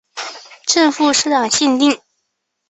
正副社长限定